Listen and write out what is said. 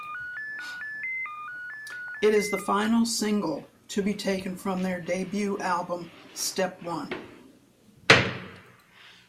It is the final single to be taken from their debut album, "Step One".